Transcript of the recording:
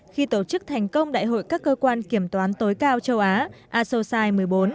khi tổ chức thành công đại hội các cơ quan kiểm toán tối cao châu á asosai một mươi bốn